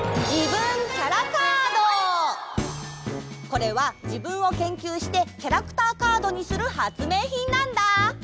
これは自分を研究してキャラクターカードにする発明品なんだ！